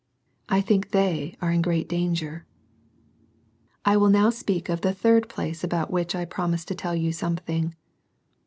I think they are in great danger. III. I will now speak of the third place about which I promised to tell you something.